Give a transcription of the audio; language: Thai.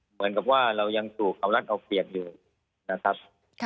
เหมือนกับว่าเรายังถูกเอารัดเอาเปรียบอยู่นะครับ